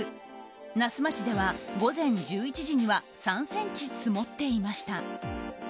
那須町では午前１１時には３ｃｍ積もっていました。